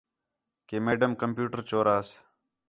کہ میڈم کمپیوٹر چوراس